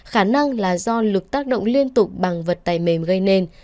khả năng là do lực tác động liên tục bằng vật tài mềm gây nền